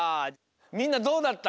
みんなどうだった？